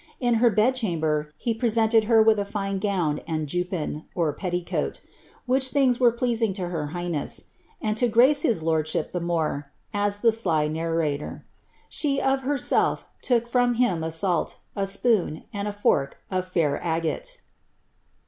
In her bed chamber, he presented her with a fine gown and juppin (petticoat), which things were pleasing to her high neas ; and to grace his lordship the more," adds the sly narrator, ^ she, of herself, took from him a salt, a spoon, and a fork, of fair agate."